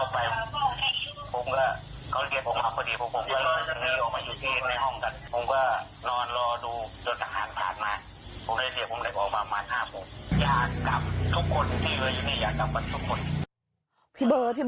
พี่เบอร์คิดสภาพสิ